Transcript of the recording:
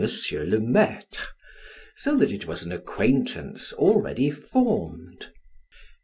le Maitre, so that it was an acquaintance already formed.